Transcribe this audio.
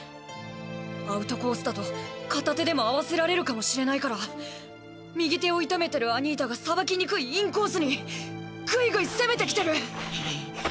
アウトコースだと片手でも合わせられるかもしれないから右手を痛めてるアニータがさばきにくいインコースにグイグイ攻めてきてる！